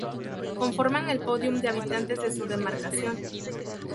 Conformar el podium de habitantes de su demarcación.